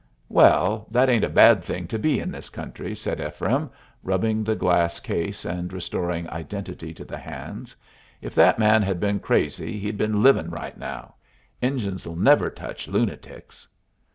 "Well, that ain't a bad thing to be in this country," said Ephraim, rubbing the glass case and restoring identity to the hands. "If that man had been crazy he'd been livin' right now. Injuns'll never touch lunatics."